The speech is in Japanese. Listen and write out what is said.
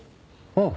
うん。